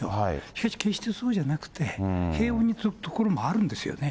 しかし、決してそうじゃなくて、平穏な所もあるんですよね。